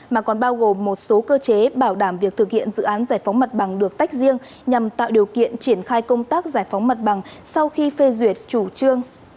mà còn bao gồm một số cơ chế bảo đảm việc thực hiện dự án giải phóng mặt bằng được tách riêng nhằm tạo điều kiện triển khai công tác giải phóng mặt bằng sau khi phê duyệt chủ trương